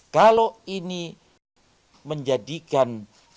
kalau ini menjadikan